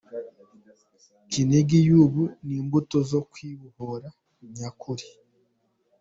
Kinigi y’ubu ni imbuto zo kwibohora nyakuri.